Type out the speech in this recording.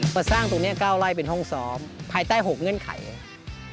มาสร้างตรงนี้๙ไร่เป็นห้องซ้อมภายใต้๖เงื่อนไขครับ